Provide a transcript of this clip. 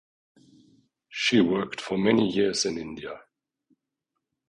She worked for many years in India.